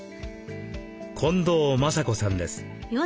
近藤真佐子さんです。